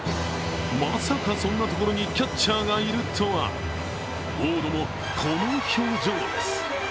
まさか、そんなところにキャッチャーがいるとはウォードも、この表情です。